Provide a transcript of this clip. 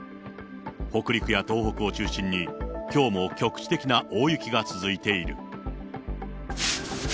北陸や東北を中心に、きょうも局地的な大雪が続いている。